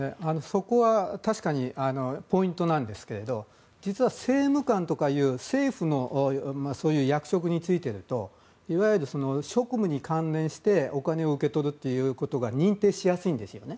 そこは確かにポイントなんですが実は政務官とか政府の役職に就いているといわゆる職務に関連してお金を受け取るということが認定しやすいんですよね。